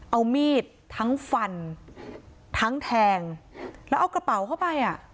เอามีดทั้งฟันทั้งแทงแล้วเอากระเป๋าเข้าไปอ่ะ